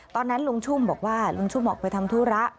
ตอนนั้นลุงชุ่มบอกว่าลุงชุ่มออกไปทำธุระ